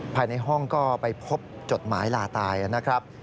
ภายในห้องก็ไปพบจดหมายลาตายนะครับ